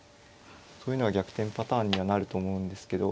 そういうのは逆転パターンにはなると思うんですけど。